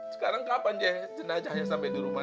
sekarang kapan jenazahnya sampai di rumah